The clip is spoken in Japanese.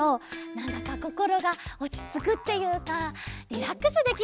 なんだかこころがおちつくっていうかリラックスできるんだよね。